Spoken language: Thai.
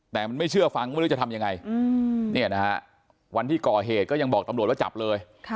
แต่มันไม่เชื่อฟังไม่รู้จะทำยังไงเนี่ยนะฮะวันที่ก่อเหตุก็ยังบอกตำรวจว่าจับเลย